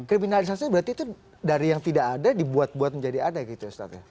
kriminalisasi berarti itu dari yang tidak ada dibuat buat menjadi ada gitu ustadz ya